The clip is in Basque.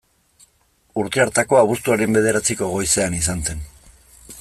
Urte hartako abuztuaren bederatziko goizean izan zen.